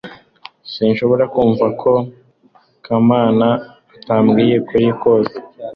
sinshobora kumva ko kamana atambwiye ukuri kose